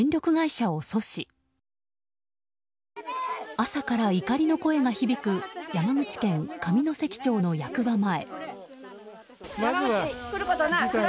朝から怒りの声が響く山口県上関町の役場前。